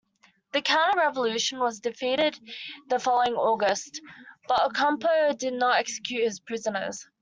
The counter-revolution was defeated the following August, but Ocampo did not execute his prisoners.